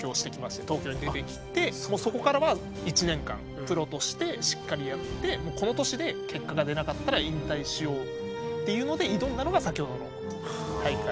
東京に出てきてもうそこからは１年間プロとしてしっかりやってこの年で結果が出なかったら引退しようっていうので挑んだのが先ほどの大会。